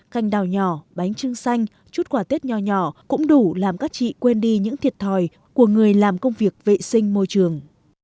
canh đào nhỏ bánh trưng xanh chút quả tết nhỏ nhỏ cũng đủ làm các chị quên đi những thiệt thòi của người làm công việc vệ sinh môi trường